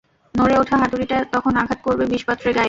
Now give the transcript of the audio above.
নড়ে ওঠা হাতুড়িটা তখন আঘাত করবে বিষপাত্রের গায়ে।